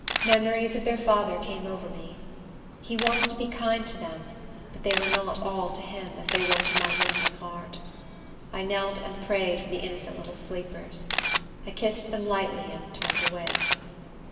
Memories of their father came over me. He wanted to be kind to them; but they were not all to him, as they were to my womanly heart. I knelt and prayed for the innocent little sleepers. I kissed them lightly, and turned away.